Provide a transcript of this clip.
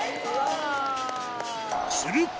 すると。